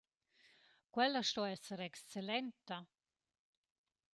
Quella sto esser excellenta.